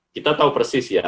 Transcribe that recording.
kita tahu persis